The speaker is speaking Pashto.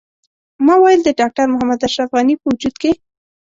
ما ویل د ډاکټر محمد اشرف غني په وجود کې.